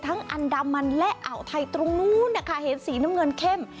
อันดามันและอ่าวไทยตรงนู้นนะคะเห็นสีน้ำเงินเข้ม